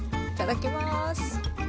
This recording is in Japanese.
いただきます。